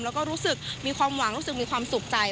แล้วก็รู้สึกมีความหวังรู้สึกมีความสุขใจ